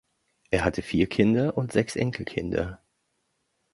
Er hatte vier Kinder und sechs Enkelkinder.